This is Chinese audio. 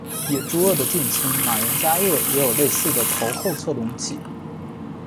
野猪鳄的近亲马任加鳄也有类似的头后侧隆起。